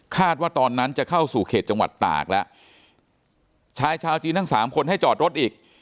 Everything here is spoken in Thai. ว่าตอนนั้นจะเข้าสู่เขตจังหวัดตากแล้วชายชาวจีนทั้งสามคนให้จอดรถอีก